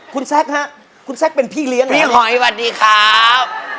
คุณแซคฮะคุณแซคเป็นพี่เลี้ยงพี่หอยสวัสดีครับ